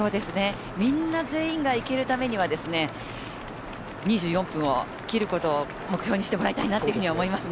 みんな全員がいけるためには２４分を切ることを目標にしてもらいたいなとは思いますね。